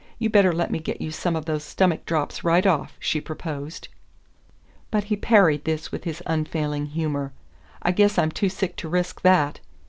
You better let me get you some of those stomach drops right off," she proposed. But he parried this with his unfailing humour. "I guess I'm too sick to risk that."